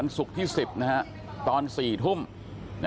เธอบอกโอ้โฮดีแรกก็สงสารเห็น